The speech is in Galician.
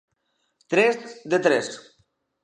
Tres de tres.